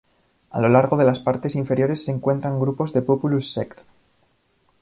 A lo largo de las partes inferiores se encuentran grupos de "Populus sect.